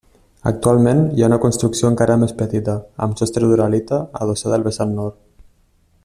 Actualment hi ha una construcció encara més petita, amb sostre d'uralita, adossada al vessant nord.